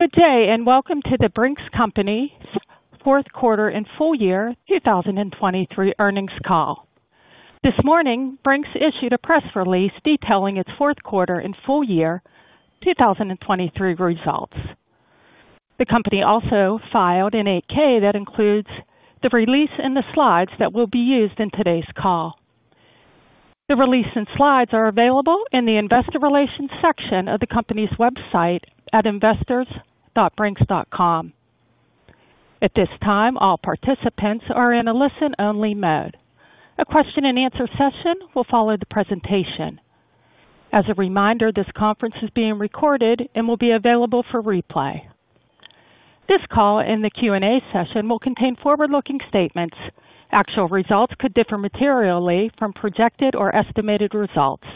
Good day and welcome to The Brink's Company's fourth quarter and full year 2023 earnings call. This morning, Brink's issued a press release detailing its fourth quarter and full year 2023 results. The company also filed an 8-K that includes the release and the slides that will be used in today's call. The release and slides are available in the investor relations section of the company's website at investors.brinks.com. At this time, all participants are in a listen-only mode. A question-and-answer session will follow the presentation. As a reminder, this conference is being recorded and will be available for replay. This call and the Q&A session will contain forward-looking statements. Actual results could differ materially from projected or estimated results.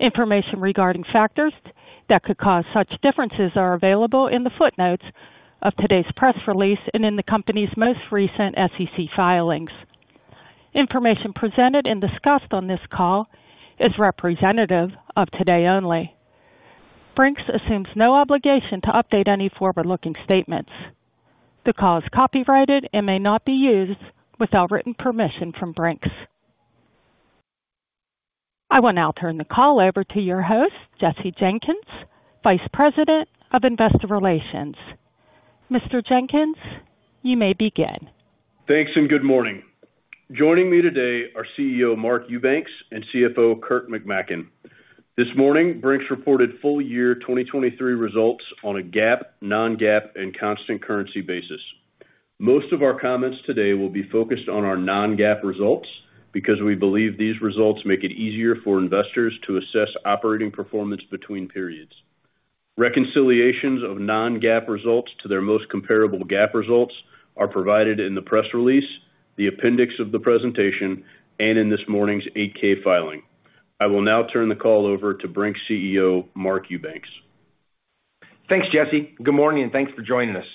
Information regarding factors that could cause such differences is available in the footnotes of today's press release and in the company's most recent SEC filings. Information presented and discussed on this call is representative of today only. Brink's assumes no obligation to update any forward-looking statements. The call is copyrighted and may not be used without written permission from Brink's. I will now turn the call over to your host, Jesse Jenkins, Vice President of Investor Relations. Mr. Jenkins, you may begin. Thanks and good morning. Joining me today are CEO Mark Eubanks and CFO Kurt McMaken. This morning, Brink's reported full year 2023 results on a GAAP, non-GAAP, and constant currency basis. Most of our comments today will be focused on our non-GAAP results because we believe these results make it easier for investors to assess operating performance between periods. Reconciliations of non-GAAP results to their most comparable GAAP results are provided in the press release, the appendix of the presentation, and in this morning's 8-K filing. I will now turn the call over to Brink's CEO Mark Eubanks. Thanks, Jesse. Good morning and thanks for joining us.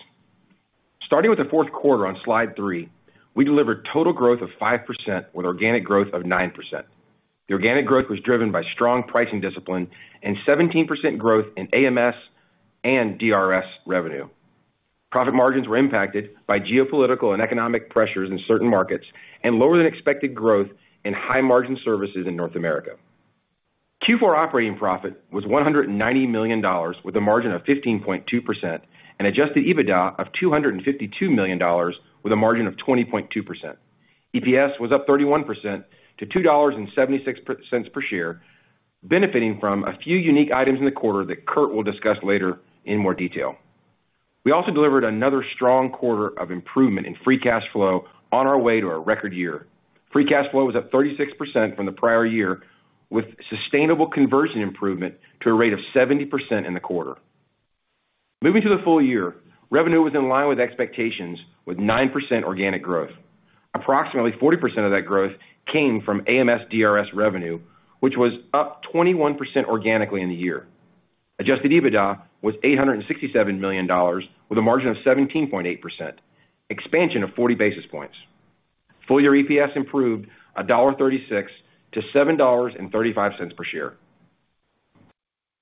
Starting with the fourth quarter on slide three, we delivered total growth of 5% with organic growth of 9%. The organic growth was driven by strong pricing discipline and 17% growth in AMS and DRS revenue. Profit margins were impacted by geopolitical and economic pressures in certain markets and lower than expected growth in high-margin services in North America. Q4 operating profit was $190 million with a margin of 15.2% and adjusted EBITDA of $252 million with a margin of 20.2%. EPS was up 31% to $2.76 per share, benefiting from a few unique items in the quarter that Kurt will discuss later in more detail. We also delivered another strong quarter of improvement in Free Cash Flow on our way to a record year. Free Cash Flow was up 36% from the prior year, with sustainable conversion improvement to a rate of 70% in the quarter. Moving to the full year, revenue was in line with expectations, with 9% organic growth. Approximately 40% of that growth came from AMS/DRS revenue, which was up 21% organically in the year. Adjusted EBITDA was $867 million with a margin of 17.8%, expansion of 40 basis points. Full year EPS improved $1.36 to $7.35 per share.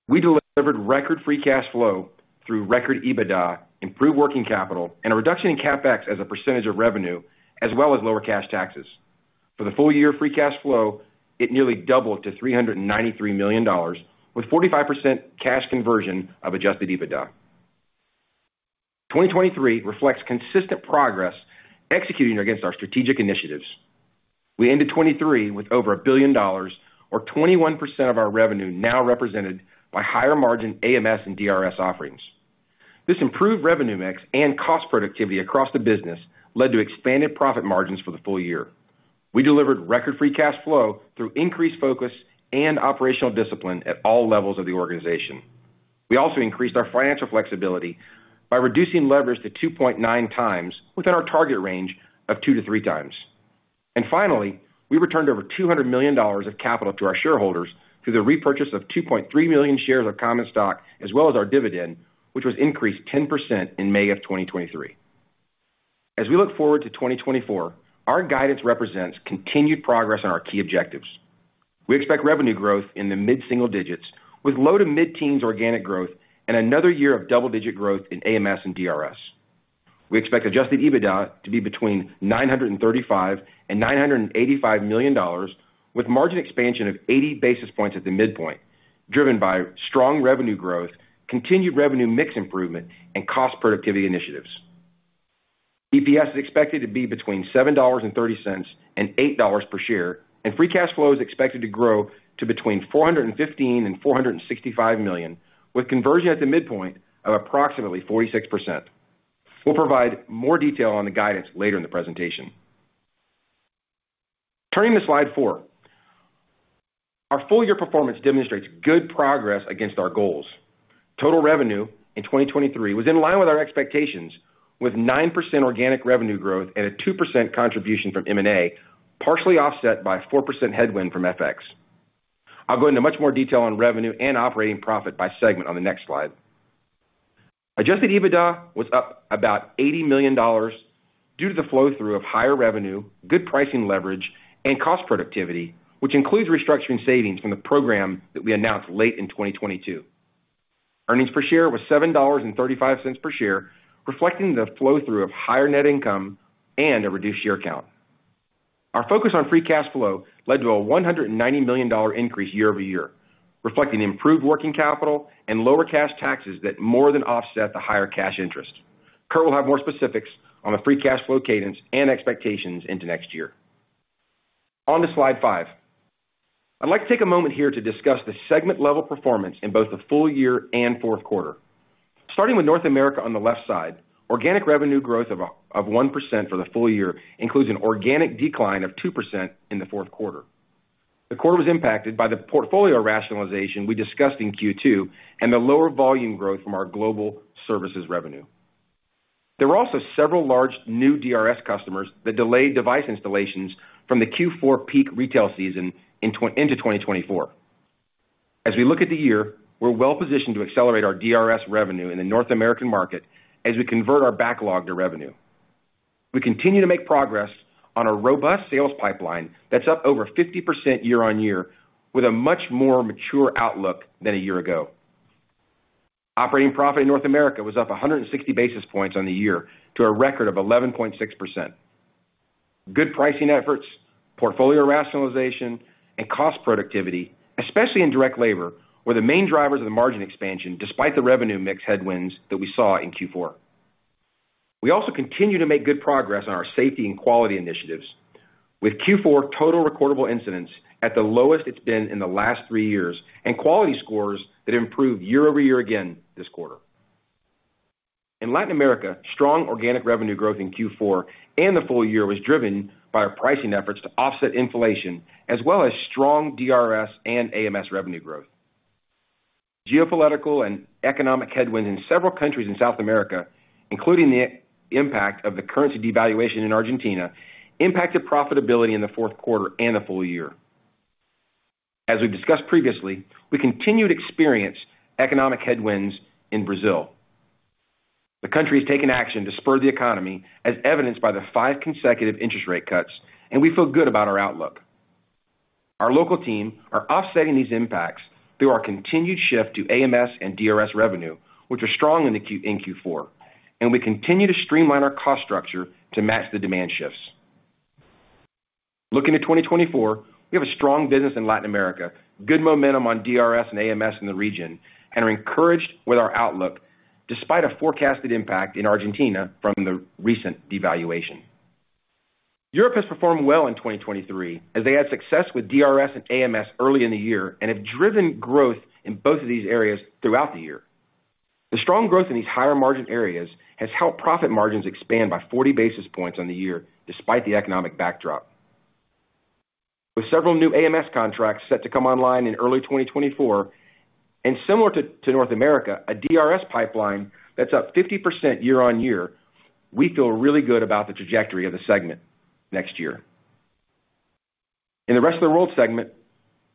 We delivered record Free Cash Flow through record EBITDA, improved working capital, and a reduction in CapEx as a percentage of revenue, as well as lower cash taxes. For the full year Free Cash Flow, it nearly doubled to $393 million, with 45% cash conversion of adjusted EBITDA. 2023 reflects consistent progress executing against our strategic initiatives. We ended 2023 with over $1 billion, or 21% of our revenue now represented by higher-margin AMS and DRS offerings. This improved revenue mix and cost productivity across the business led to expanded profit margins for the full year. We delivered record Free Cash Flow through increased focus and operational discipline at all levels of the organization. We also increased our financial flexibility by reducing leverage to 2.9 times, within our target range of 2-3 times. And finally, we returned over $200 million of capital to our shareholders through the repurchase of 2.3 million shares of common stock, as well as our dividend, which was increased 10% in May of 2023. As we look forward to 2024, our guidance represents continued progress on our key objectives. We expect revenue growth in the mid-single digits, with low to mid-teens organic growth and another year of double-digit growth in AMS and DRS. We expect Adjusted EBITDA to be between $935 million and $985 million, with margin expansion of 80 basis points at the midpoint, driven by strong revenue growth, continued revenue mix improvement, and cost productivity initiatives. EPS is expected to be between $7.30 and $8 per share, and Free Cash Flow is expected to grow to between $415 million and $465 million, with conversion at the midpoint of approximately 46%. We'll provide more detail on the guidance later in the presentation. Turning to Slide four, our full-year performance demonstrates good progress against our goals. Total revenue in 2023 was in line with our expectations, with 9% organic revenue growth and a 2% contribution from M&A, partially offset by 4% headwind from FX. I'll go into much more detail on revenue and operating profit by segment on the next slide. Adjusted EBITDA was up about $80 million due to the flow-through of higher revenue, good pricing leverage, and cost productivity, which includes restructuring savings from the program that we announced late in 2022. Earnings per share was $7.35 per share, reflecting the flow-through of higher net income and a reduced share count. Our focus on Free Cash Flow led to a $190 million increase year-over-year, reflecting improved working capital and lower cash taxes that more than offset the higher cash interest. Kurt will have more specifics on the Free Cash Flow cadence and expectations into next year. On to slide 5. I'd like to take a moment here to discuss the segment-level performance in both the full year and fourth quarter. Starting with North America on the left side, organic revenue growth of 1% for the full year includes an organic decline of 2% in the fourth quarter. The quarter was impacted by the portfolio rationalization we discussed in Q2 and the lower volume growth from our global services revenue. There were also several large new DRS customers that delayed device installations from the Q4 peak retail season into 2024. As we look at the year, we're well-positioned to accelerate our DRS revenue in the North American market as we convert our backlog to revenue. We continue to make progress on a robust sales pipeline that's up over 50% year-on-year, with a much more mature outlook than a year ago. Operating profit in North America was up 160 basis points on the year to a record of 11.6%. Good pricing efforts, portfolio rationalization, and cost productivity, especially in direct labor, were the main drivers of the margin expansion despite the revenue mix headwinds that we saw in Q4. We also continue to make good progress on our safety and quality initiatives, with Q4 total recordable incidents at the lowest it's been in the last three years and quality scores that improved year-over-year again this quarter. In Latin America, strong organic revenue growth in Q4 and the full year was driven by our pricing efforts to offset inflation, as well as strong DRS and AMS revenue growth. Geopolitical and economic headwinds in several countries in South America, including the impact of the currency devaluation in Argentina, impacted profitability in the fourth quarter and the full year. As we've discussed previously, we continue to experience economic headwinds in Brazil. The country has taken action to spur the economy, as evidenced by the five consecutive interest rate cuts, and we feel good about our outlook. Our local teams are offsetting these impacts through our continued shift to AMS and DRS revenue, which are strong in Q4, and we continue to streamline our cost structure to match the demand shifts. Looking to 2024, we have a strong business in Latin America, good momentum on DRS and AMS in the region, and are encouraged with our outlook despite a forecasted impact in Argentina from the recent devaluation. Europe has performed well in 2023 as they had success with DRS and AMS early in the year and have driven growth in both of these areas throughout the year. The strong growth in these higher-margin areas has helped profit margins expand by 40 basis points on the year despite the economic backdrop. With several new AMS contracts set to come online in early 2024 and, similar to North America, a DRS pipeline that's up 50% year-on-year, we feel really good about the trajectory of the segment next year. In the Rest of the World segment,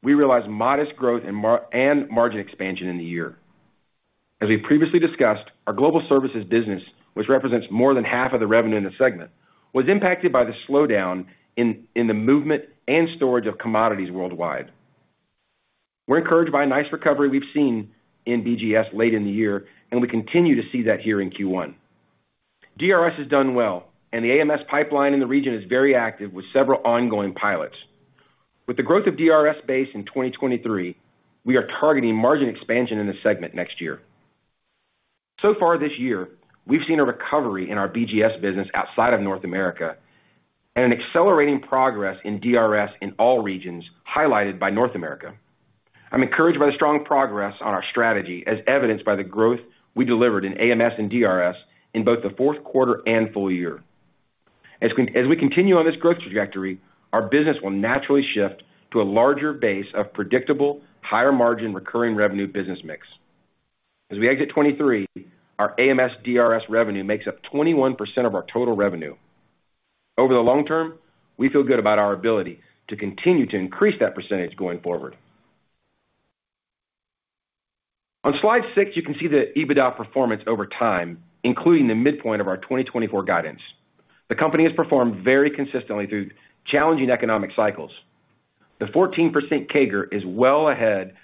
we realize modest growth and margin expansion in the year. As we previously discussed, our global services business, which represents more than half of the revenue in the segment, was impacted by the slowdown in the movement and storage of commodities worldwide. We're encouraged by a nice recovery we've seen in BGS late in the year, and we continue to see that here in Q1. DRS has done well, and the AMS pipeline in the region is very active with several ongoing pilots. With the growth of DRS base in 2023, we are targeting margin expansion in the segment next year. So far this year, we've seen a recovery in our BGS business outside of North America and an accelerating progress in DRS in all regions highlighted by North America. I'm encouraged by the strong progress on our strategy, as evidenced by the growth we delivered in AMS and DRS in both the fourth quarter and full year. As we continue on this growth trajectory, our business will naturally shift to a larger base of predictable, higher-margin recurring revenue business mix. As we exit 2023, our AMS/DRS revenue makes up 21% of our total revenue. Over the long term, we feel good about our ability to continue to increase that percentage going forward. On slide six, you can see the EBITDA performance over time, including the midpoint of our 2024 guidance. The company has performed very consistently through challenging economic cycles. The 14% CAGR is well ahead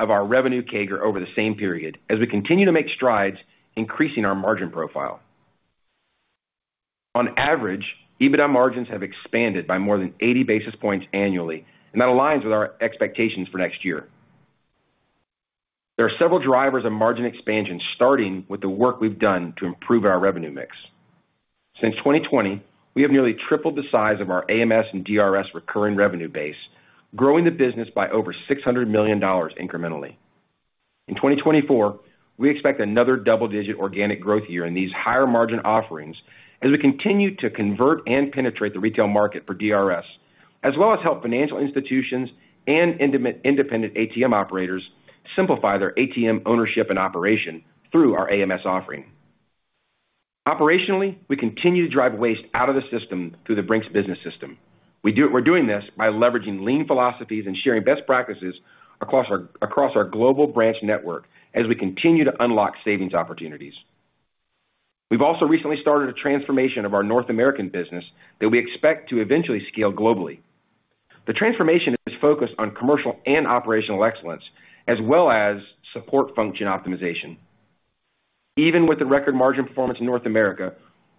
of our revenue CAGR over the same period as we continue to make strides increasing our margin profile. On average, EBITDA margins have expanded by more than 80 basis points annually, and that aligns with our expectations for next year. There are several drivers of margin expansion, starting with the work we've done to improve our revenue mix. Since 2020, we have nearly tripled the size of our AMS and DRS recurring revenue base, growing the business by over $600 million incrementally. In 2024, we expect another double-digit organic growth year in these higher-margin offerings as we continue to convert and penetrate the retail market for DRS, as well as help financial institutions and independent ATM operators simplify their ATM ownership and operation through our AMS offering. Operationally, we continue to drive waste out of the system through the Brink's Business System. We're doing this by leveraging lean philosophies and sharing best practices across our global branch network as we continue to unlock savings opportunities. We've also recently started a transformation of our North American business that we expect to eventually scale globally. The transformation is focused on commercial and operational excellence, as well as support function optimization. Even with the record margin performance in North America,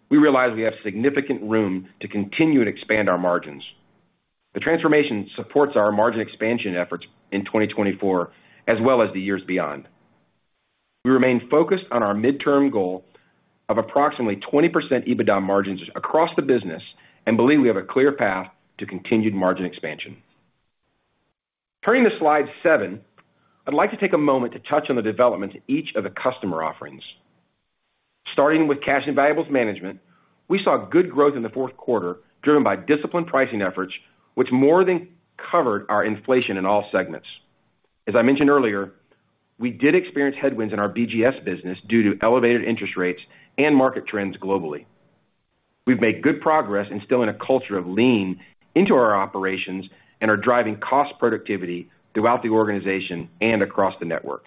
we realize we have significant room to continue and expand our margins. The transformation supports our margin expansion efforts in 2024, as well as the years beyond. We remain focused on our midterm goal of approximately 20% EBITDA margins across the business and believe we have a clear path to continued margin expansion. Turning to slide seven, I'd like to take a moment to touch on the developments in each of the customer offerings. Starting with cash and valuables management, we saw good growth in the fourth quarter driven by disciplined pricing efforts, which more than covered our inflation in all segments. As I mentioned earlier, we did experience headwinds in our BGS business due to elevated interest rates and market trends globally. We've made good progress instilling a culture of lean into our operations and are driving cost productivity throughout the organization and across the network.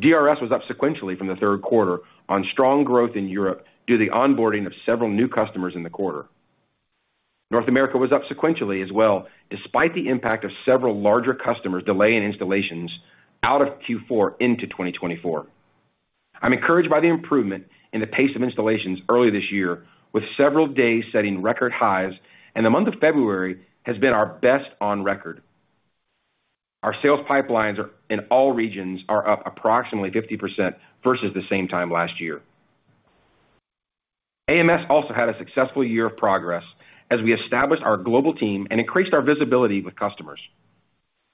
DRS was up sequentially from the third quarter on strong growth in Europe due to the onboarding of several new customers in the quarter. North America was up sequentially as well, despite the impact of several larger customers' delay in installations out of Q4 into 2024. I'm encouraged by the improvement in the pace of installations earlier this year, with several days setting record highs, and the month of February has been our best on record. Our sales pipelines in all regions are up approximately 50% versus the same time last year. AMS also had a successful year of progress as we established our global team and increased our visibility with customers.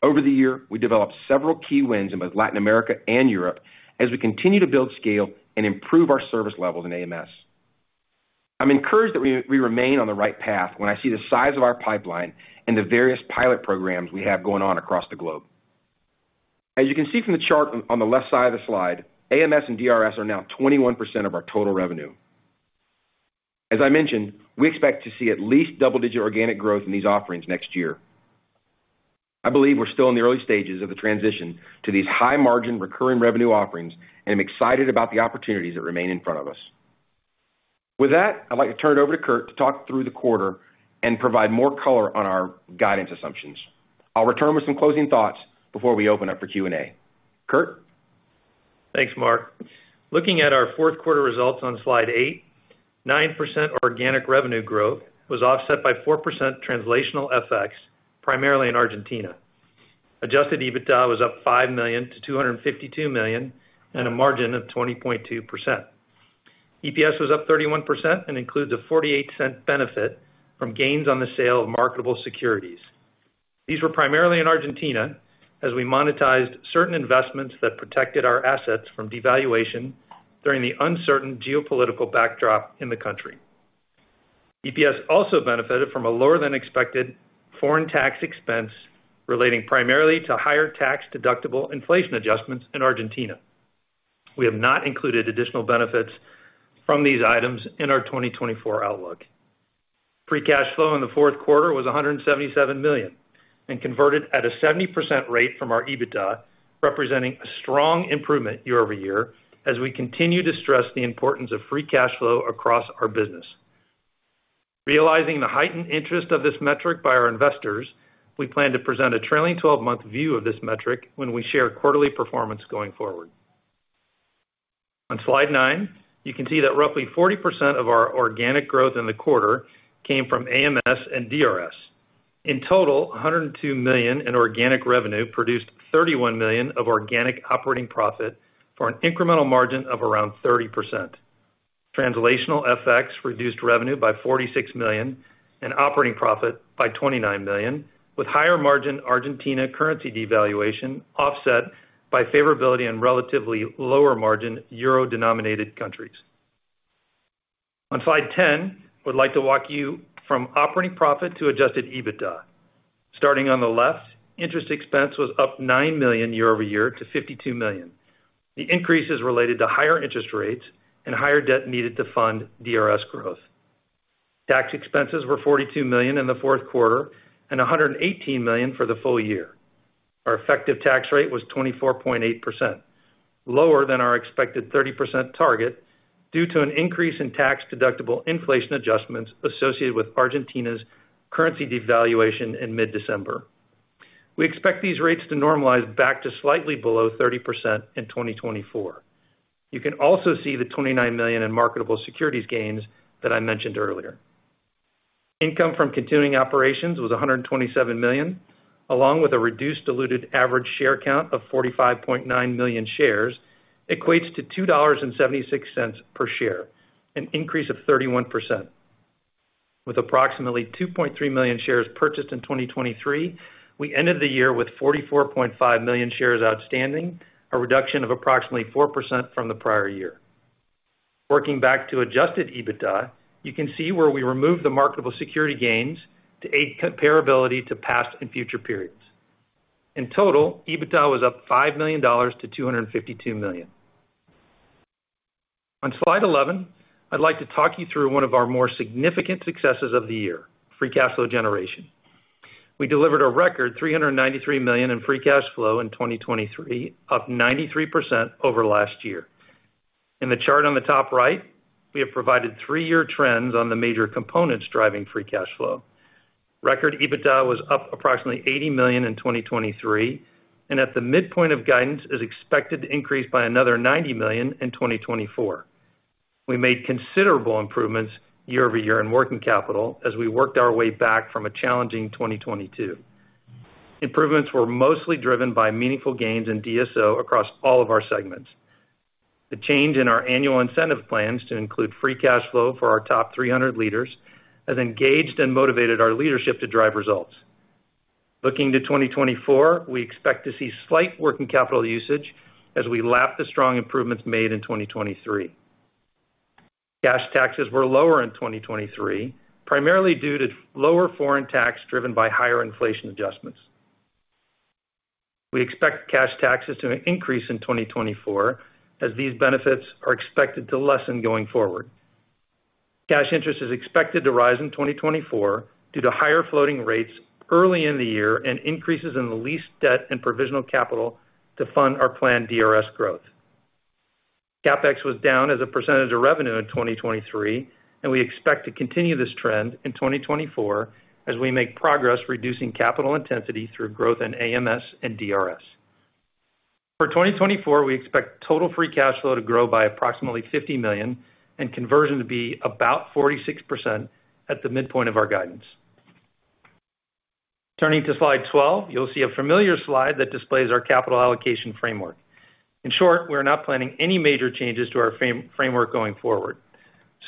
Over the year, we developed several key wins in both Latin America and Europe as we continue to build scale and improve our service levels in AMS. I'm encouraged that we remain on the right path when I see the size of our pipeline and the various pilot programs we have going on across the globe. As you can see from the chart on the left side of the slide, AMS and DRS are now 21% of our total revenue. As I mentioned, we expect to see at least double-digit organic growth in these offerings next year. I believe we're still in the early stages of the transition to these high-margin recurring revenue offerings, and I'm excited about the opportunities that remain in front of us. With that, I'd like to turn it over to Kurt to talk through the quarter and provide more color on our guidance assumptions. I'll return with some closing thoughts before we open up for Q&A. Kurt? Thanks, Mark. Looking at our fourth quarter results on slide eight, 9% organic revenue growth was offset by 4% Translational FX, primarily in Argentina. Adjusted EBITDA was up $5 million to $252 million and a margin of 20.2%. EPS was up 31% and includes a $0.48 benefit from gains on the sale of marketable securities. These were primarily in Argentina as we monetized certain investments that protected our assets from devaluation during the uncertain geopolitical backdrop in the country. EPS also benefited from a lower-than-expected foreign tax expense relating primarily to higher tax-deductible inflation adjustments in Argentina. We have not included additional benefits from these items in our 2024 outlook. Free Cash Flow in the fourth quarter was $177 million and converted at a 70% rate from our EBITDA, representing a strong improvement year-over-year as we continue to stress the importance of Free Cash Flow across our business. Realizing the heightened interest of this metric by our investors, we plan to present a trailing 12-month view of this metric when we share quarterly performance going forward. On slide nine, you can see that roughly 40% of our organic growth in the quarter came from AMS and DRS. In total, $102 million in organic revenue produced $31 million of organic operating profit for an incremental margin of around 30%. Translational FX reduced revenue by $46 million and operating profit by $29 million, with higher-margin Argentina currency devaluation offset by favorability in relatively lower-margin euro-denominated countries. On slide 10, I would like to walk you from operating profit to Adjusted EBITDA. Starting on the left, interest expense was up $9 million year-over-year to $52 million. The increase is related to higher interest rates and higher debt needed to fund DRS growth. Tax expenses were $42 million in the fourth quarter and $118 million for the full year. Our effective tax rate was 24.8%, lower than our expected 30% target due to an increase in tax-deductible inflation adjustments associated with Argentina's currency devaluation in mid-December. We expect these rates to normalize back to slightly below 30% in 2024. You can also see the $29 million in marketable securities gains that I mentioned earlier. Income from continuing operations was $127 million, along with a reduced diluted average share count of 45.9 million shares, equates to $2.76 per share, an increase of 31%. With approximately 2.3 million shares purchased in 2023, we ended the year with 44.5 million shares outstanding, a reduction of approximately 4% from the prior year. Working back to Adjusted EBITDA, you can see where we removed the marketable securities gains to aid comparability to past and future periods. In total, EBITDA was up $5 million to $252 million. On slide 11, I'd like to talk you through one of our more significant successes of the year: Free Cash Flow generation. We delivered a record $393 million in Free Cash Flow in 2023, up 93% over last year. In the chart on the top right, we have provided three-year trends on the major components driving Free Cash Flow. Record EBITDA was up approximately $80 million in 2023 and at the midpoint of guidance is expected to increase by another $90 million in 2024. We made considerable improvements year-over-year in working capital as we worked our way back from a challenging 2022. Improvements were mostly driven by meaningful gains in DSO across all of our segments. The change in our annual incentive plans to include Free Cash Flow for our top 300 leaders has engaged and motivated our leadership to drive results. Looking to 2024, we expect to see slight working capital usage as we lap the strong improvements made in 2023. Cash taxes were lower in 2023, primarily due to lower foreign tax driven by higher inflation adjustments. We expect cash taxes to increase in 2024 as these benefits are expected to lessen going forward. Cash interest is expected to rise in 2024 due to higher floating rates early in the year and increases in the leased debt and Provisional Capital to fund our planned DRS growth. CapEx was down as a percentage of revenue in 2023, and we expect to continue this trend in 2024 as we make progress reducing capital intensity through growth in AMS and DRS. For 2024, we expect total Free Cash Flow to grow by approximately $50 million and conversion to be about 46% at the midpoint of our guidance. Turning to slide 12, you'll see a familiar slide that displays our capital allocation framework. In short, we are not planning any major changes to our framework going forward.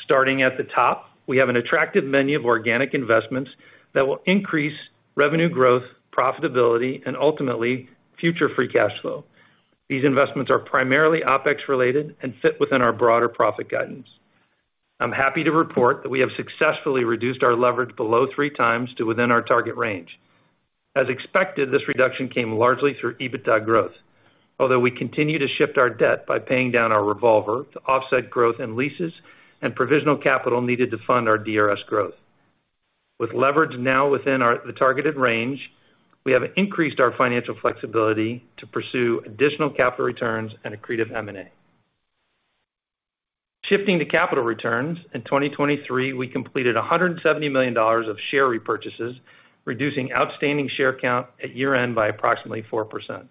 Starting at the top, we have an attractive menu of organic investments that will increase revenue growth, profitability, and ultimately future Free Cash Flow. These investments are primarily OpEx-related and fit within our broader profit guidance. I'm happy to report that we have successfully reduced our leverage below 3x to within our target range. As expected, this reduction came largely through EBITDA growth, although we continue to shift our debt by paying down our revolver to offset growth in leases and provisional capital needed to fund our DRS growth. With leverage now within the targeted range, we have increased our financial flexibility to pursue additional capital returns and accretive M&A. Shifting to capital returns, in 2023, we completed $170 million of share repurchases, reducing outstanding share count at year-end by approximately 4%.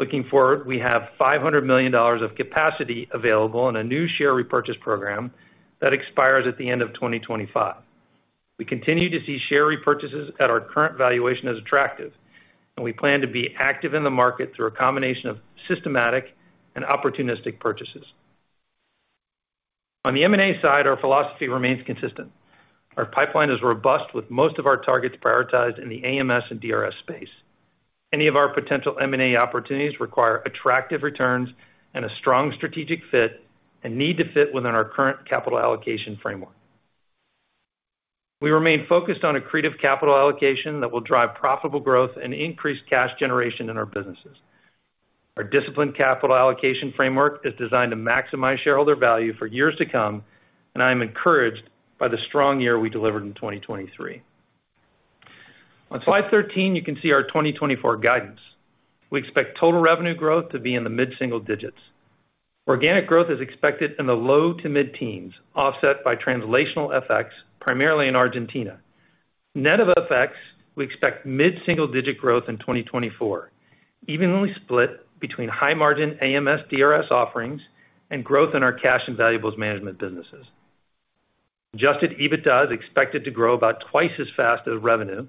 Looking forward, we have $500 million of capacity available in a new share repurchase program that expires at the end of 2025. We continue to see share repurchases at our current valuation as attractive, and we plan to be active in the market through a combination of systematic and opportunistic purchases. On the M&A side, our philosophy remains consistent. Our pipeline is robust, with most of our targets prioritized in the AMS and DRS space. Any of our potential M&A opportunities require attractive returns and a strong strategic fit and need to fit within our current capital allocation framework. We remain focused on accretive capital allocation that will drive profitable growth and increased cash generation in our businesses. Our disciplined capital allocation framework is designed to maximize shareholder value for years to come, and I am encouraged by the strong year we delivered in 2023. On slide 13, you can see our 2024 guidance. We expect total revenue growth to be in the mid-single digits. Organic growth is expected in the low to mid-teens, offset by Translational FX, primarily in Argentina. Net of FX, we expect mid-single digit growth in 2024, evenly split between high-margin AMS/DRS offerings and growth in our cash and valuables management businesses. Adjusted EBITDA is expected to grow about twice as fast as revenue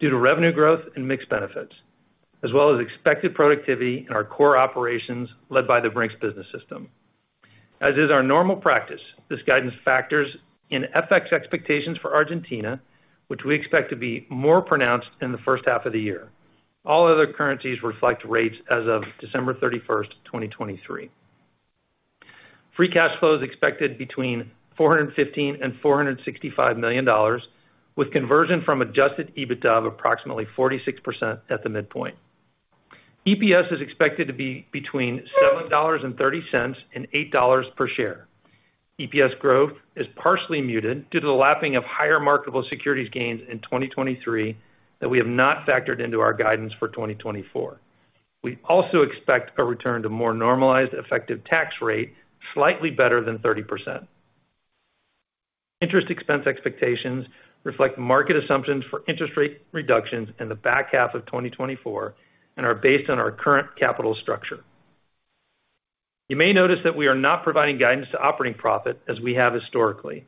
due to revenue growth and mixed benefits, as well as expected productivity in our core operations led by the Brink's Business System. As is our normal practice, this guidance factors in FX expectations for Argentina, which we expect to be more pronounced in the first half of the year. All other currencies reflect rates as of December 31st, 2023. Free Cash Flow is expected between $415 million and $465 million, with conversion from Adjusted EBITDA of approximately 46% at the midpoint. EPS is expected to be between $7.30 and $8 per share. EPS growth is partially muted due to the lapping of higher marketable securities gains in 2023 that we have not factored into our guidance for 2024. We also expect a return to more normalized effective tax rate, slightly better than 30%. Interest expense expectations reflect market assumptions for interest rate reductions in the back half of 2024 and are based on our current capital structure. You may notice that we are not providing guidance to operating profit as we have historically.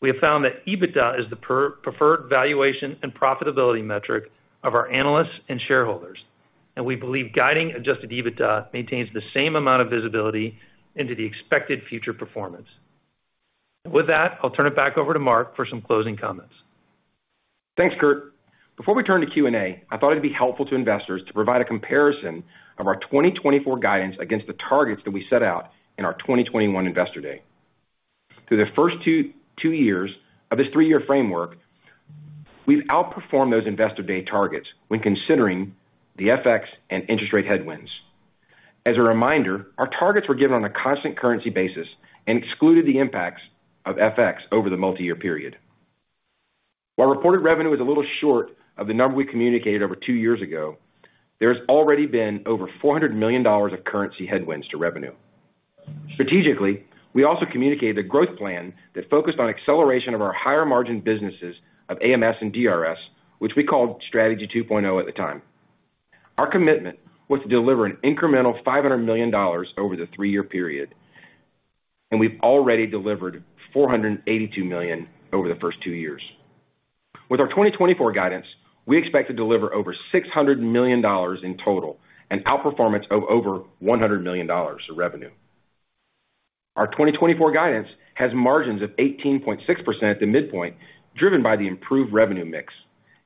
We have found that EBITDA is the preferred valuation and profitability metric of our analysts and shareholders, and we believe guiding adjusted EBITDA maintains the same amount of visibility into the expected future performance. With that, I'll turn it back over to Mark for some closing comments. Thanks, Kurt. Before we turn to Q&A, I thought it'd be helpful to investors to provide a comparison of our 2024 guidance against the targets that we set out in our 2021 Investor Day. Through the first two years of this three-year framework, we've outperformed those Investor Day targets when considering the FX and interest rate headwinds. As a reminder, our targets were given on a constant currency basis and excluded the impacts of FX over the multi-year period. While reported revenue is a little short of the number we communicated over two years ago, there has already been over $400 million of currency headwinds to revenue. Strategically, we also communicated a growth plan that focused on acceleration of our higher-margin businesses of AMS and DRS, which we called Strategy 2.0 at the time. Our commitment was to deliver an incremental $500 million over the three-year period, and we've already delivered $482 million over the first two years. With our 2024 guidance, we expect to deliver over $600 million in total and outperformance of over $100 million of revenue. Our 2024 guidance has margins of 18.6% at the midpoint, driven by the improved revenue mix,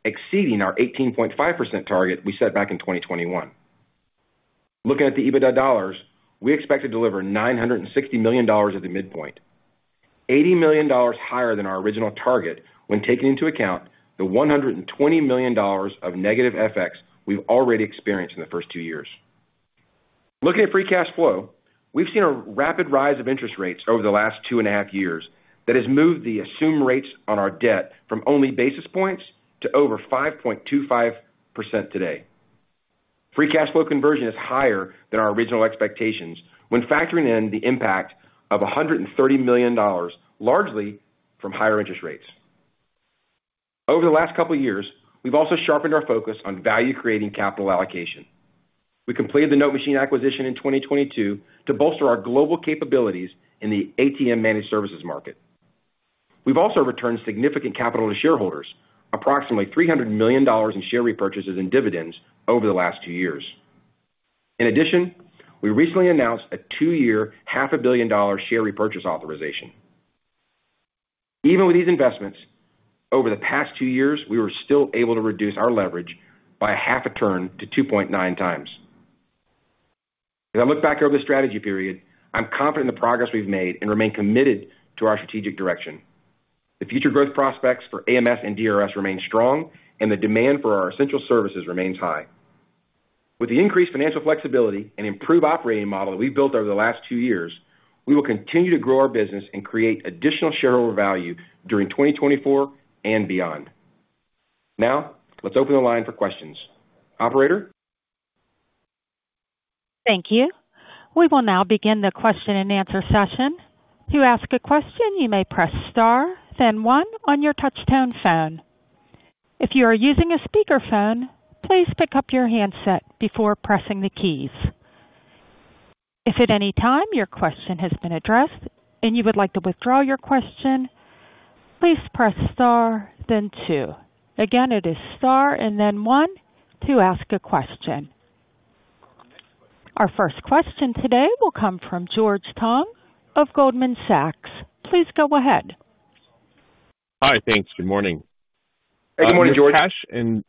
exceeding our 18.5% target we set back in 2021. Looking at the EBITDA dollars, we expect to deliver $960 million at the midpoint, $80 million higher than our original target when taking into account the $120 million of negative FX we've already experienced in the first two years. Looking at Free Cash Flow, we've seen a rapid rise of interest rates over the last two and a half years that has moved the assumed rates on our debt from only basis points to over 5.25% today. Free Cash Flow conversion is higher than our original expectations when factoring in the impact of $130 million, largely from higher interest rates. Over the last couple of years, we've also sharpened our focus on value-creating capital allocation. We completed the NoteMachine acquisition in 2022 to bolster our global capabilities in the ATM Managed Services market. We've also returned significant capital to shareholders, approximately $300 million in share repurchases and dividends over the last two years. In addition, we recently announced a two-year $500 million share repurchase authorization. Even with these investments, over the past two years, we were still able to reduce our leverage by a half a turn to 2.9 times. As I look back over the strategy period, I'm confident in the progress we've made and remain committed to our strategic direction. The future growth prospects for AMS and DRS remain strong, and the demand for our essential services remains high. With the increased financial flexibility and improved operating model that we've built over the last two years, we will continue to grow our business and create additional shareholder value during 2024 and beyond. Now, let's open the line for questions. Operator? Thank you. We will now begin the question-and-answer session. To ask a question, you may press star, then one on your touch-tone phone. If you are using a speakerphone, please pick up your handset before pressing the keys. If at any time your question has been addressed and you would like to withdraw your question, please press star, then two. Again, it is star and then one to ask a question. Our first question today will come from George Tong of Goldman Sachs. Please go ahead. Hi, thanks. Good morning. Hey, good morning, George. You're cash and.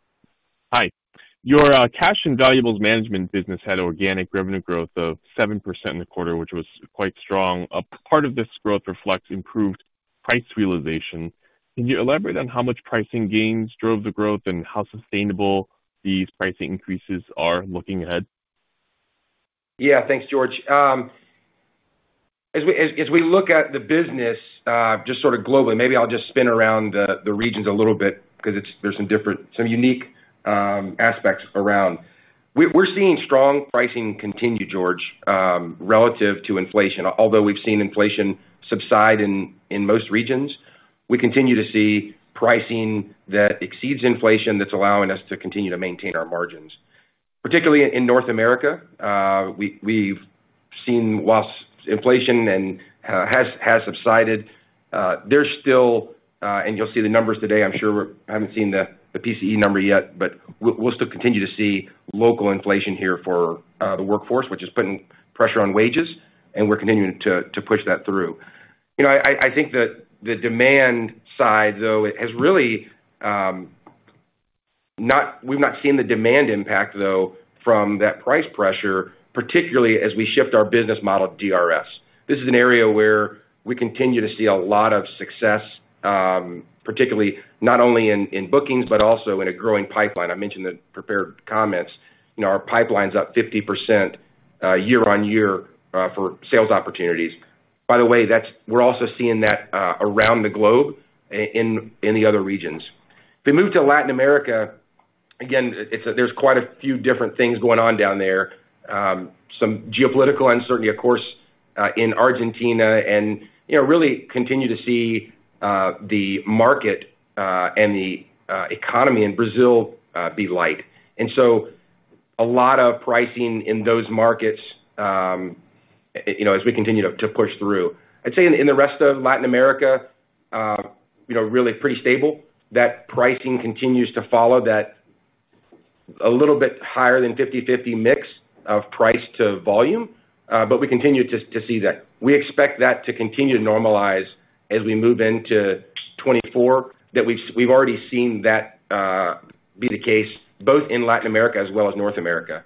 Hi. Your cash and valuables management business had organic revenue growth of 7% in the quarter, which was quite strong. Part of this growth reflects improved price realization. Can you elaborate on how much pricing gains drove the growth and how sustainable these pricing increases are looking ahead? Yeah, thanks, George. As we look at the business just sort of globally, maybe I'll just spin around the regions a little bit because there's some unique aspects around. We're seeing strong pricing continue, George, relative to inflation. Although we've seen inflation subside in most regions, we continue to see pricing that exceeds inflation that's allowing us to continue to maintain our margins. Particularly in North America, we've seen whilst inflation has subsided, there's still and you'll see the numbers today. I'm sure we haven't seen the PCE number yet, but we'll still continue to see local inflation here for the workforce, which is putting pressure on wages, and we're continuing to push that through. I think that the demand side, though, we've not seen the demand impact, though, from that price pressure, particularly as we shift our business model to DRS. This is an area where we continue to see a lot of success, particularly not only in bookings but also in a growing pipeline. I mentioned the prepared comments. Our pipeline's up 50% year-on-year for sales opportunities. By the way, we're also seeing that around the globe in the other regions. If we move to Latin America, again, there's quite a few different things going on down there, some geopolitical uncertainty, of course, in Argentina, and really continue to see the market and the economy in Brazil be light. And so a lot of pricing in those markets as we continue to push through. I'd say in the rest of Latin America, really pretty stable. That pricing continues to follow that a little bit higher than 50/50 mix of price to volume, but we continue to see that. We expect that to continue to normalize as we move into 2024. We've already seen that be the case both in Latin America as well as North America.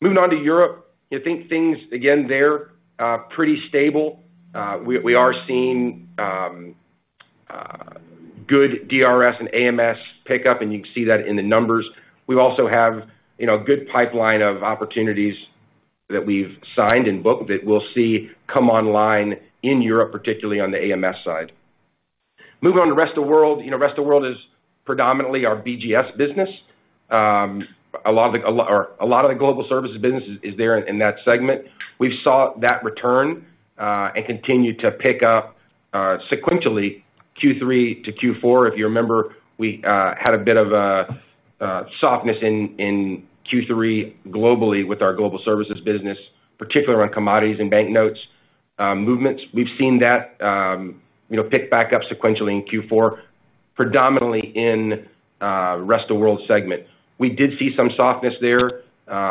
Moving on to Europe, I think things, again, they're pretty stable. We are seeing good DRS and AMS pickup, and you can see that in the numbers. We also have a good pipeline of opportunities that we've signed and booked that we'll see come online in Europe, particularly on the AMS side. Moving on to the Rest of the World, the Rest of the World is predominantly our BGS business. A lot of the global services business is there in that segment. We've saw that return and continue to pick up sequentially Q3 to Q4. If you remember, we had a bit of softness in Q3 globally with our global services business, particularly around commodities and banknotes movements. We've seen that pick back up sequentially in Q4, predominantly in the Rest of the World segment. We did see some softness there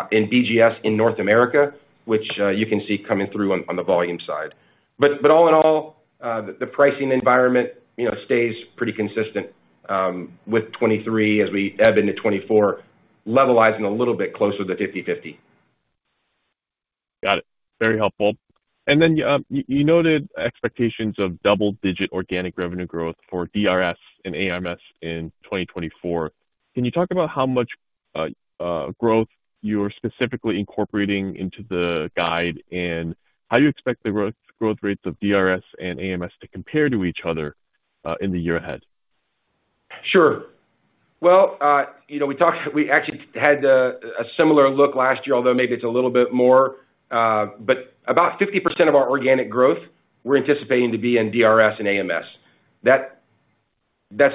in BGS in North America, which you can see coming through on the volume side. But all in all, the pricing environment stays pretty consistent with 2023 as we ebb into 2024, levelizing a little bit closer to the 50/50. Got it. Very helpful. And then you noted expectations of double-digit organic revenue growth for DRS and AMS in 2024. Can you talk about how much growth you're specifically incorporating into the guide and how you expect the growth rates of DRS and AMS to compare to each other in the year ahead? Sure. Well, we actually had a similar look last year, although maybe it's a little bit more. But about 50% of our organic growth, we're anticipating to be in DRS and AMS. That's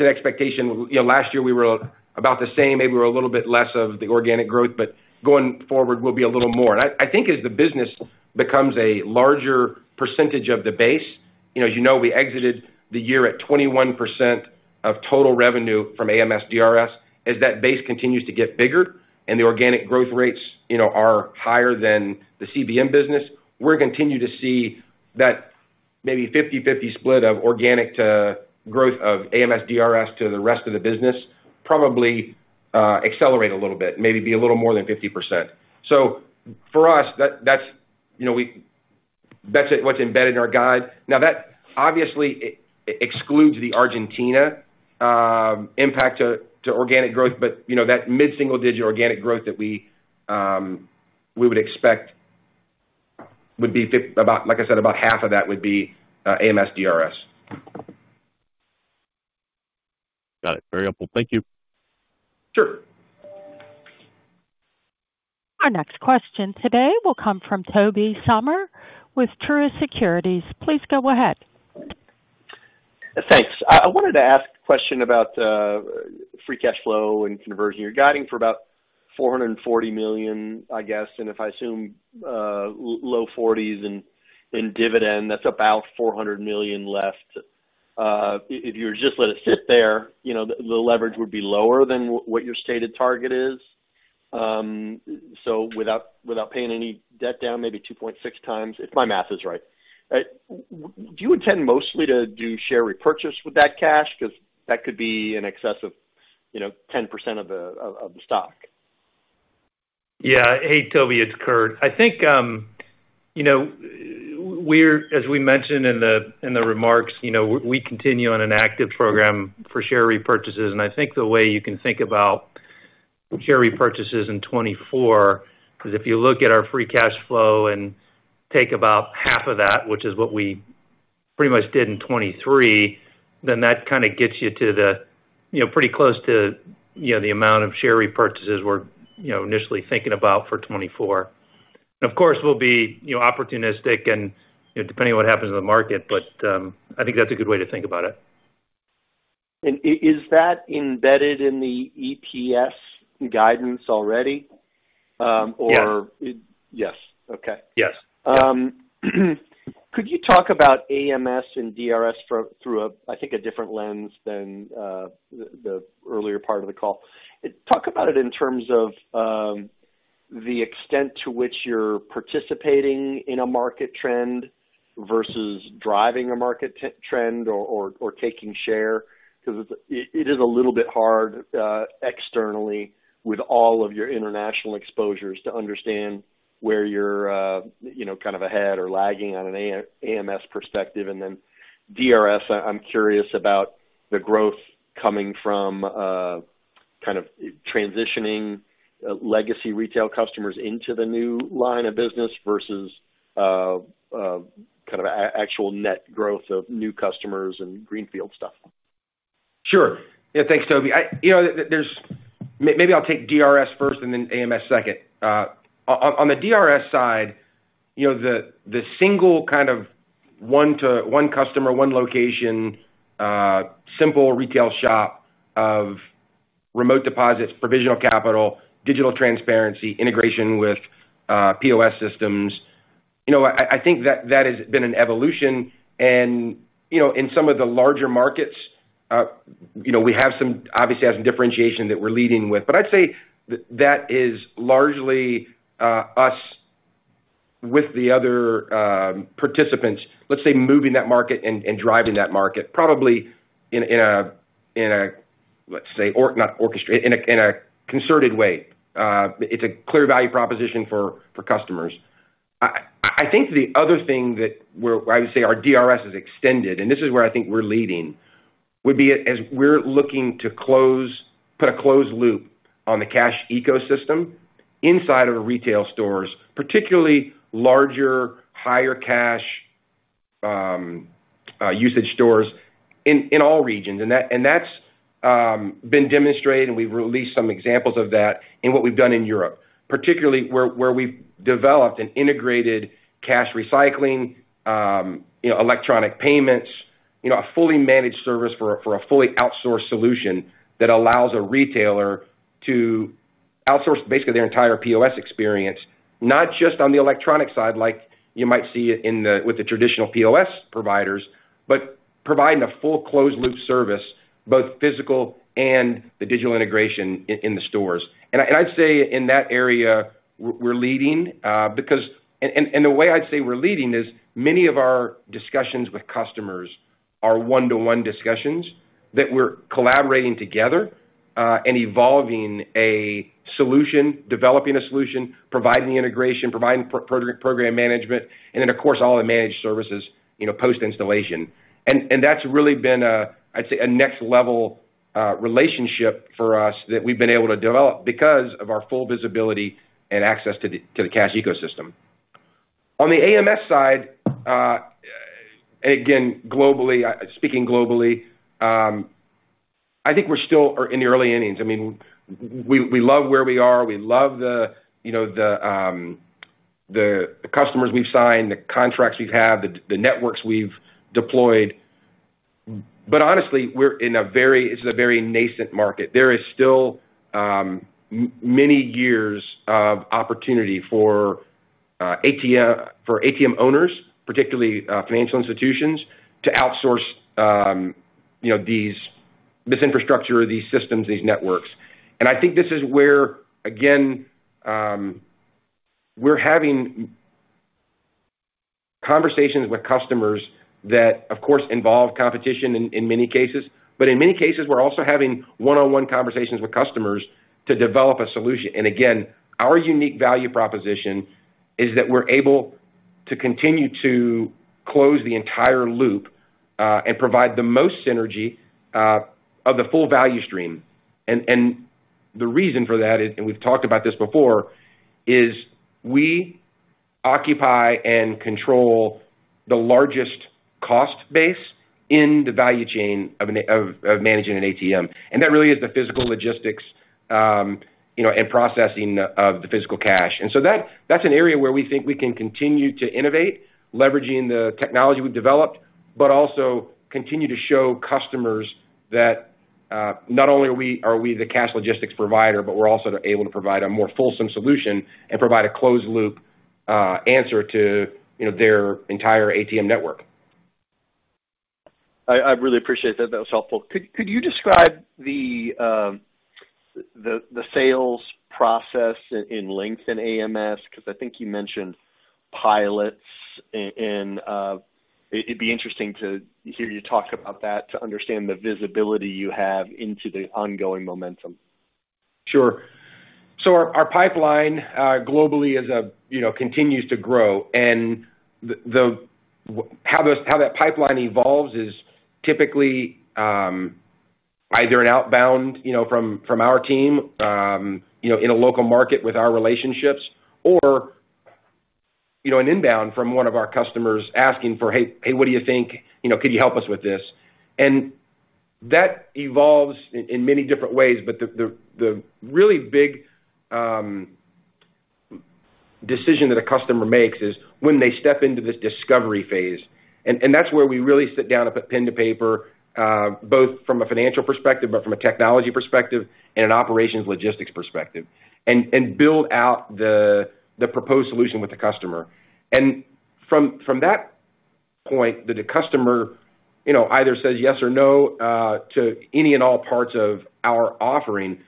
an expectation. Last year, we were about the same. Maybe we were a little bit less of the organic growth, but going forward, we'll be a little more. And I think as the business becomes a larger percentage of the base as you know, we exited the year at 21% of total revenue from AMS/DRS. As that base continues to get bigger and the organic growth rates are higher than the CVM business, we're going to continue to see that maybe 50/50 split of organic growth of AMS/DRS to the rest of the business probably accelerate a little bit, maybe be a little more than 50%. So for us, that's what's embedded in our guide. Now, that obviously excludes the Argentina impact to organic growth, but that mid-single-digit organic growth that we would expect would be about, like I said, about half of that would be AMS/DRS. Got it. Very helpful. Thank you. Sure. Our next question today will come from Tobey Sommer with Truist Securities. Please go ahead. Thanks. I wanted to ask a question about Free Cash Flow and conversion. You're guiding for about $440 million, I guess. And if I assume low 40s in dividend, that's about $400 million left. If you were to just let it sit there, the leverage would be lower than what your stated target is. So without paying any debt down, maybe 2.6x if my math is right. Do you intend mostly to do share repurchase with that cash because that could be in excess of 10% of the stock? Yeah. Hey, Tobey. It's Kurt. I think as we mentioned in the remarks, we continue on an active program for share repurchases. And I think the way you can think about share repurchases in 2024 is if you look at our Free Cash Flow and take about half of that, which is what we pretty much did in 2023, then that kind of gets you to pretty close to the amount of share repurchases we're initially thinking about for 2024. And of course, we'll be opportunistic and depending on what happens in the market, but I think that's a good way to think about it. Is that embedded in the EPS guidance already or? Yes. Yes. Okay. Yes. Could you talk about AMS and DRS through, I think, a different lens than the earlier part of the call? Talk about it in terms of the extent to which you're participating in a market trend versus driving a market trend or taking share because it is a little bit hard externally with all of your international exposures to understand where you're kind of ahead or lagging on an AMS perspective. And then DRS, I'm curious about the growth coming from kind of transitioning legacy retail customers into the new line of business versus kind of actual net growth of new customers and greenfield stuff. Sure. Yeah, thanks, Tobey. Maybe I'll take DRS first and then AMS second. On the DRS side, the single kind of one customer, one location, simple retail shop of remote deposits, provisional capital, digital transparency, integration with POS systems, I think that that has been an evolution. And in some of the larger markets, we have some obviously, I have some differentiation that we're leading with. But I'd say that is largely us with the other participants, let's say, moving that market and driving that market, probably in a, let's say, not orchestrated, in a concerted way. It's a clear value proposition for customers. I think the other thing that I would say our DRS is extended, and this is where I think we're leading, would be as we're looking to put a closed loop on the cash ecosystem inside of retail stores, particularly larger, higher-cash usage stores in all regions. That's been demonstrated, and we've released some examples of that in what we've done in Europe, particularly where we've developed and integrated cash recycling, electronic payments, a fully managed service for a fully outsourced solution that allows a retailer to outsource basically their entire POS experience, not just on the electronic side like you might see it with the traditional POS providers, but providing a full closed-loop service, both physical and the digital integration in the stores. I'd say in that area, we're leading because and the way I'd say we're leading is many of our discussions with customers are one-to-one discussions that we're collaborating together and evolving a solution, developing a solution, providing integration, providing program management, and then, of course, all the managed services post-installation. That's really been, I'd say, a next-level relationship for us that we've been able to develop because of our full visibility and access to the cash ecosystem. On the AMS side, and again, speaking globally, I think we're still in the early innings. I mean, we love where we are. We love the customers we've signed, the contracts we've had, the networks we've deployed. But honestly, we're in a very it's a very nascent market. There is still many years of opportunity for ATM owners, particularly financial institutions, to outsource this infrastructure, these systems, these networks. I think this is where, again, we're having conversations with customers that, of course, involve competition in many cases. But in many cases, we're also having one-on-one conversations with customers to develop a solution. And again, our unique value proposition is that we're able to continue to close the entire loop and provide the most synergy of the full value stream. And the reason for that is, and we've talked about this before, is we occupy and control the largest cost base in the value chain of managing an ATM. And that really is the physical logistics and processing of the physical cash. And so that's an area where we think we can continue to innovate, leveraging the technology we've developed, but also continue to show customers that not only are we the cash logistics provider, but we're also able to provide a more fulsome solution and provide a closed-loop answer to their entire ATM network. I really appreciate that. That was helpful. Could you describe the sales process at length in AMS? Because I think you mentioned pilots. And it'd be interesting to hear you talk about that to understand the visibility you have into the ongoing momentum. Sure. So our pipeline globally continues to grow. And how that pipeline evolves is typically either an outbound from our team in a local market with our relationships or an inbound from one of our customers asking for, "Hey, what do you think? Could you help us with this?" And that evolves in many different ways. But the really big decision that a customer makes is when they step into this discovery phase. And that's where we really sit down and put pen to paper, both from a financial perspective but from a technology perspective and an operations logistics perspective, and build out the proposed solution with the customer. And from that point, the customer either says yes or no to any and all parts of our offering.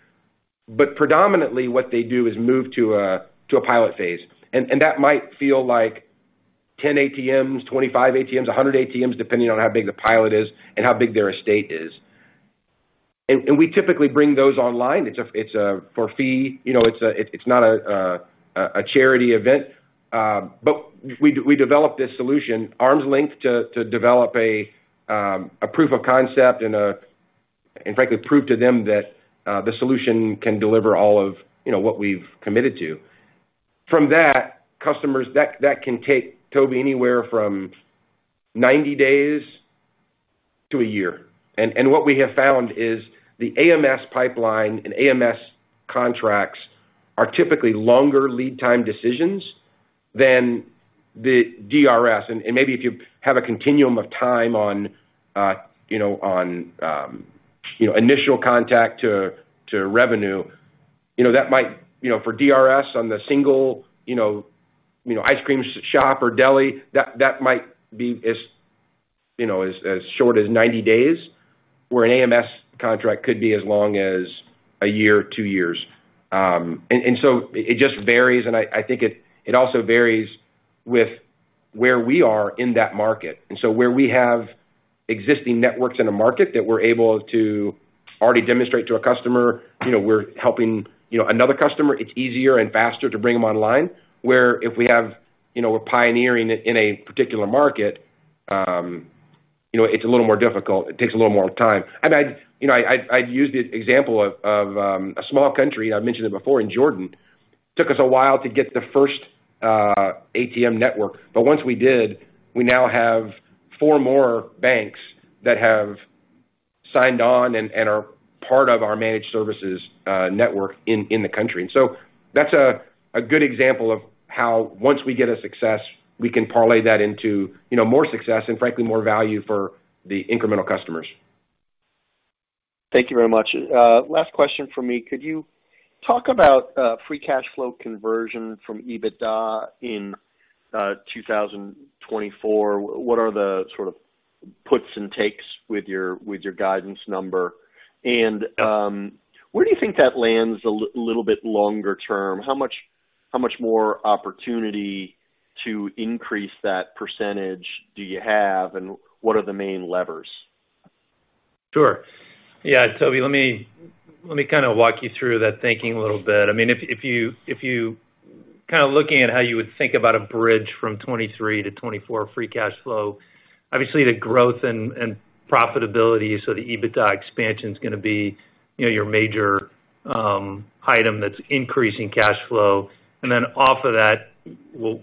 But predominantly, what they do is move to a pilot phase. And that might feel like 10 ATMs, 25 ATMs, 100 ATMs, depending on how big the pilot is and how big their estate is. And we typically bring those online. It's for free. It's not a charity event. But we developed this solution at arm's length to develop a proof of concept and, frankly, prove to them that the solution can deliver all of what we've committed to. From that, customers, that can take, Tobey, anywhere from 90 days to a year. And what we have found is the AMS pipeline and AMS contracts are typically longer lead-time decisions than the DRS. And maybe if you have a continuum of time on initial contact to revenue, that might, for DRS on the single ice cream shop or deli, be as short as 90 days, where an AMS contract could be as long as a year, two years. It just varies. I think it also varies with where we are in that market. Where we have existing networks in a market that we're able to already demonstrate to a customer, we're helping another customer. It's easier and faster to bring them online. Where we're pioneering it in a particular market, it's a little more difficult. It takes a little more time. I mean, I'd used the example of a small country. I've mentioned it before. In Jordan, it took us a while to get the first ATM network. But once we did, we now have four more banks that have signed on and are part of our managed services network in the country. That's a good example of how once we get a success, we can parlay that into more success and, frankly, more value for the incremental customers. Thank you very much. Last question for me. Could you talk about Free Cash Flow conversion from EBITDA in 2024? What are the sort of puts and takes with your guidance number? And where do you think that lands a little bit longer term? How much more opportunity to increase that percentage do you have, and what are the main levers? Sure. Yeah, Tobey, let me kind of walk you through that thinking a little bit. I mean, if you kind of looking at how you would think about a bridge from 2023 to 2024 Free Cash Flow, obviously, the growth and profitability, so the EBITDA expansion is going to be your major item that's increasing cash flow. And then off of that, we'll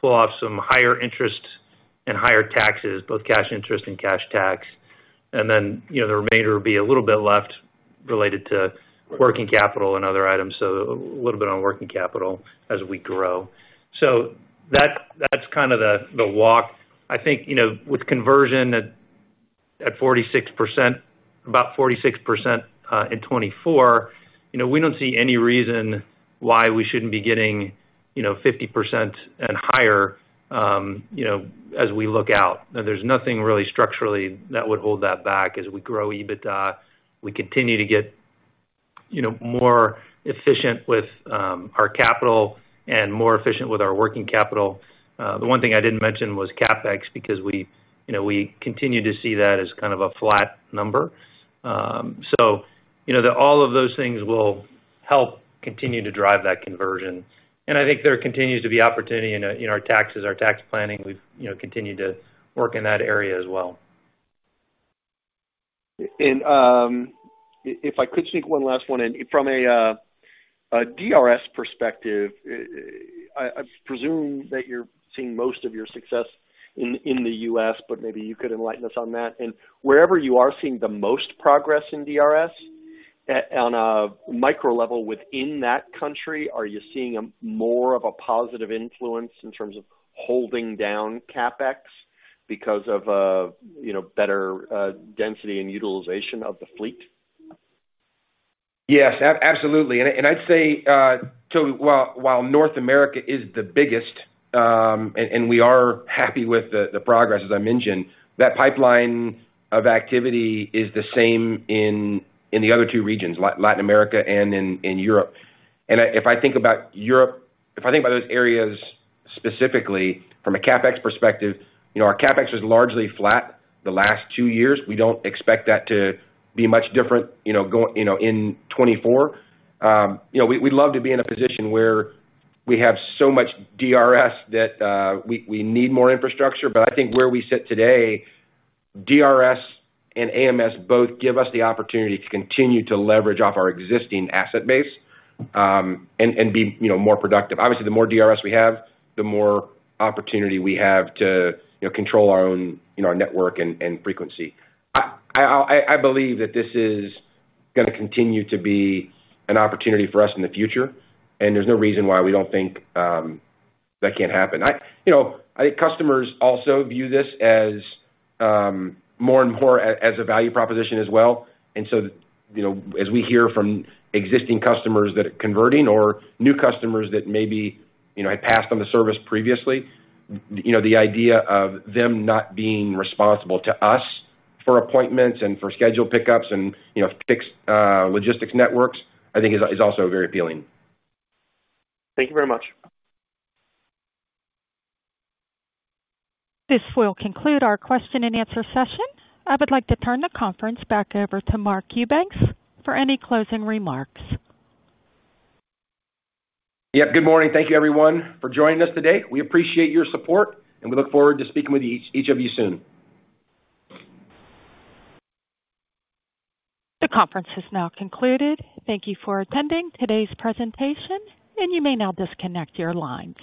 pull off some higher interest and higher taxes, both cash interest and cash tax. And then the remainder would be a little bit left related to working capital and other items. So a little bit on working capital as we grow. So that's kind of the walk. I think with conversion at about 46% in 2024, we don't see any reason why we shouldn't be getting 50% and higher as we look out. There's nothing really structurally that would hold that back as we grow EBITDA. We continue to get more efficient with our capital and more efficient with our working capital. The one thing I didn't mention was CapEx because we continue to see that as kind of a flat number. So all of those things will help continue to drive that conversion. And I think there continues to be opportunity in our taxes, our tax planning. We've continued to work in that area as well. If I could sneak one last one, from a DRS perspective, I presume that you're seeing most of your success in the U.S., but maybe you could enlighten us on that. Wherever you are seeing the most progress in DRS, on a micro level within that country, are you seeing more of a positive influence in terms of holding down CapEx because of better density and utilization of the fleet? Yes, absolutely. And I'd say, Tobey, while North America is the biggest and we are happy with the progress, as I mentioned, that pipeline of activity is the same in the other two regions, Latin America and in Europe. And if I think about Europe if I think about those areas specifically from a CapEx perspective, our CapEx was largely flat the last two years. We don't expect that to be much different in 2024. We'd love to be in a position where we have so much DRS that we need more infrastructure. But I think where we sit today, DRS and AMS both give us the opportunity to continue to leverage off our existing asset base and be more productive. Obviously, the more DRS we have, the more opportunity we have to control our own network and frequency. I believe that this is going to continue to be an opportunity for us in the future. There's no reason why we don't think that can't happen. I think customers also view this more and more as a value proposition as well. So as we hear from existing customers that are converting or new customers that maybe had passed on the service previously, the idea of them not being responsible to us for appointments and for schedule pickups and fixed logistics networks, I think, is also very appealing. Thank you very much. This will conclude our question-and-answer session. I would like to turn the conference back over to Mark Eubanks for any closing remarks. Yep. Good morning. Thank you, everyone, for joining us today. We appreciate your support, and we look forward to speaking with each of you soon. The conference is now concluded. Thank you for attending today's presentation, and you may now disconnect your lines.